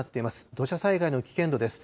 土砂災害の危険度です。